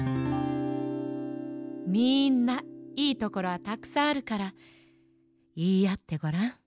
みんないいところはたくさんあるからいいあってごらん。